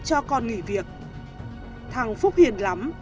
cho con nghỉ việc thằng phúc hiền lắm